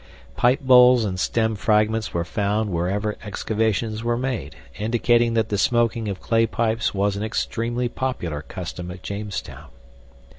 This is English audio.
Pipe bowls and stem fragments were found wherever excavations were made, indicating that the smoking of clay pipes was an extremely popular custom at Jamestown.